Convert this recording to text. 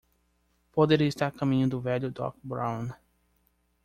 Poderia estar a caminho do velho Doc Brown!